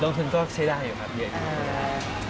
ลงทุนก็ใช้ได้อยู่ครับเยอะ